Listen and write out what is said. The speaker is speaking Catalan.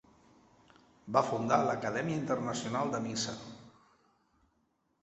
Va fundar l'Acadèmia Internacional de Niça.